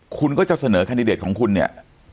คุณก็จะเสนอแคนดิเดตของคุณเนี่ย